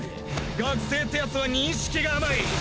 学生ってやつは認識が甘い！